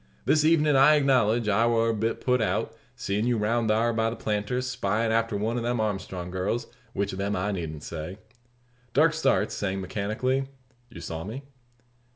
This evenin', I acknowledge, I war a bit put out seein' you round thar by the planter's, spyin' after one of them Armstrong girls; which of them I needn't say." Darke starts, saying mechanically, "You saw me?"